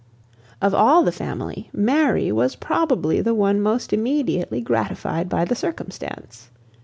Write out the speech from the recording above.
Of all the family, Mary was probably the one most immediately gratified by the circumstance.